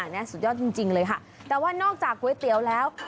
นี่สุดยอดจริงเลยค่ะแต่ว่านอกจากก๋วยเตี๋ยวแล้ว